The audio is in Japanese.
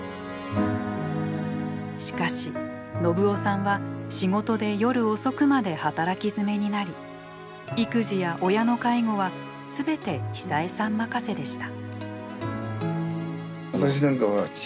しかし信男さんは仕事で夜遅くまで働きづめになり育児や親の介護は全て久枝さん任せでした。